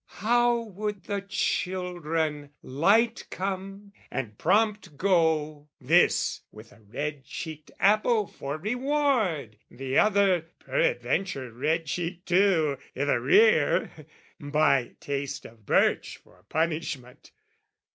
How would the children light come and prompt go, This, with a red cheeked apple for reward, The other, peradventure red cheeked too I' the rear, by taste of birch for punishment.